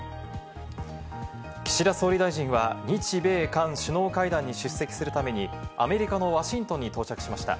岸田総理大臣は日米韓首脳会談に出席するためにアメリカのワシントンに到着しました。